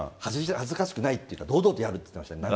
恥ずかしくないっていうか、堂々とやるっていうか。